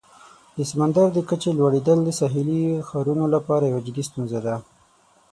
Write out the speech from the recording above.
د سمندر د کچې لوړیدل د ساحلي ښارونو لپاره یوه جدي ستونزه ده.